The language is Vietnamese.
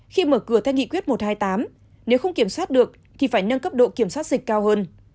khi mở cửa theo nghị quyết một trăm hai mươi tám nếu không kiểm soát được thì phải nâng cấp độ kiểm soát dịch cao hơn